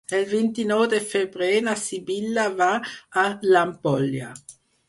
El vint-i-nou de febrer na Sibil·la va a l'Ampolla.